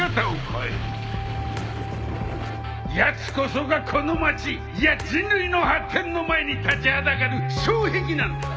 やつこそがこの街いや人類の発展の前に立ちはだかる障壁なのだ！